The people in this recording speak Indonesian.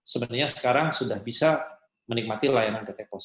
sebenarnya sekarang sudah bisa menikmati layanan pt pos